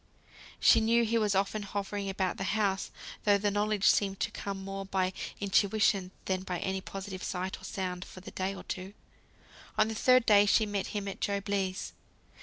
She knew he was often hovering about the house; though the knowledge seemed to come more by intuition, than by any positive sight or sound for the first day or two. On the third day she met him at Job Legh's.